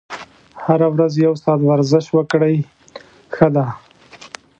هره ورځ یو ساعت ورزش وکړئ ښه ده.